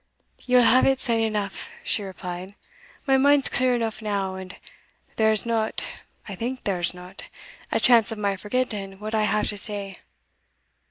"Ye will have it sune eneugh," she replied; "my mind's clear eneugh now, and there is not I think there is not a chance of my forgetting what I have to say.